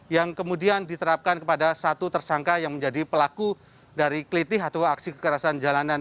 yang kemudian diterapkan kepada satu tersangka yang menjadi pelaku dari kelitih atau aksi kekerasan jalanan